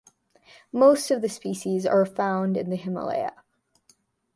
Most of the species are found in the Himalaya.